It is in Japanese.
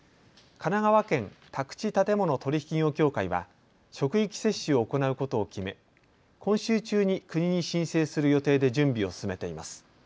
神奈川県宅地建物取引業協会は職域接種を行うことを決め、今週中に国に申請する予定で準備を進めています。